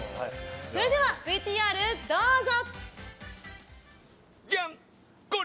それではＶＴＲ、どうぞ。